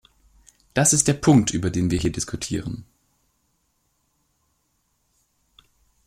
Das ist der Punkt, über den wir hier diskutieren.